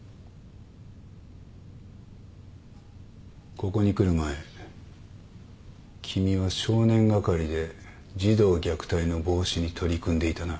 ここに来る前君は少年係で児童虐待の防止に取り組んでいたな。